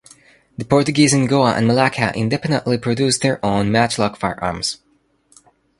The Portuguese in Goa and Malacca independently produced their own matchlock firearms.